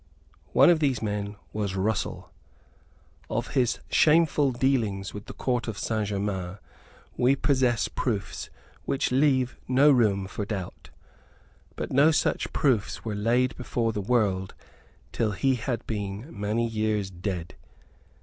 One of these men was Russell. Of his shameful dealings with the Court of Saint Germains we possess proofs which leave no room for doubt. But no such proofs were laid before the world till he had been many years dead.